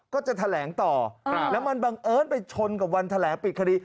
ก็จะแถลงต่อแล้วมันบังเอิญไปชนกับวันแถลงปิดคดี